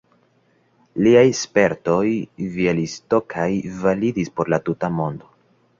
liaj spertoj Bjalistokaj validis por la tuta mondo.